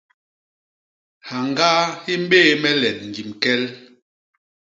Hyañgaa hi mbéé me len ñgim kel.